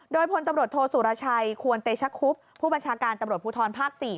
โดยพลตำรวจโทษสุรชัยควรเตชคุบผู้บัญชาการตำรวจภูทรภาค๔